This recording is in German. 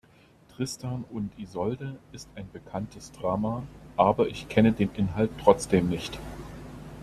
Tristan und Isolde ist ein bekanntes Drama, aber ich kenne den Inhalt trotzdem nicht.